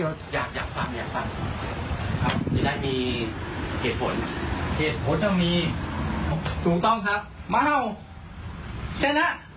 เฮ้ยไม่เอาแน่